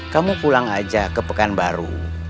kamu pulang aja ke pekan baru